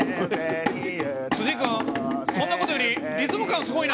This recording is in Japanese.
井君そんな事よりリズム感すごいな。